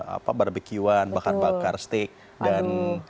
apa barbeque an bakar bakar steak dan